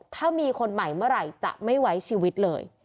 ถ้ามีคนใหม่เมื่อไหร่จะไม่ไว้ชีวิตเลย